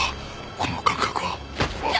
この感覚はあっ！